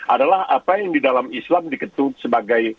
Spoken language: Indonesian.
adalah apa yang di dalam islam diketuk sebagai